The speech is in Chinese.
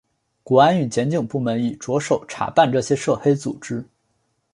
国安与检警部门已着手查办这些涉黑组织。